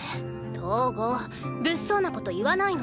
東郷物騒なこと言わないの。